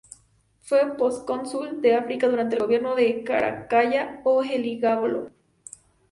Fue procónsul de África durante el gobierno de Caracalla o Heliogábalo.